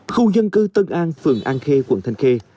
khu dân cư tân an phường an khê quận thanh khê